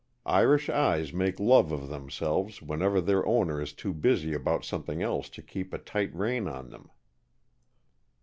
Irish eyes make love of themselves, whenever their owner is too busy about something else to keep a tight rein on them."